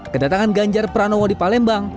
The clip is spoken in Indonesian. kedatangan ganjar pranowo di palembang